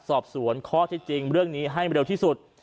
สอบสวนข้อที่จริงเรื่องนี้ให้เร็วที่สุด